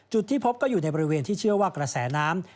จุดที่พบก็อยู่ในบริเวณที่เชื่อว่ากระแสน้ำ